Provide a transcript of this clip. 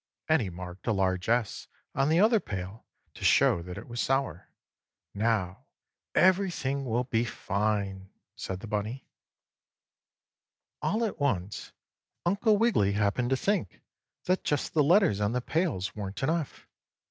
And he marked a large S on the other pail to show that it was sour. "Now everything will be fine!" said the bunny. 7. All at once Uncle Wiggily happened to think that just the letters on the pails weren't enough.